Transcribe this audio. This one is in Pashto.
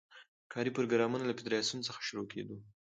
کاري پروګرام له فدراسیون څخه شروع کېدو.